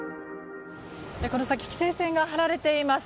この先規制線が張られています。